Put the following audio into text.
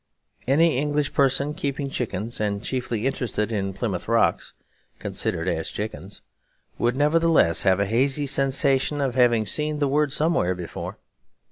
Any English person keeping chickens, and chiefly interested in Plymouth Rocks considered as chickens, would nevertheless have a hazy sensation of having seen the word somewhere before.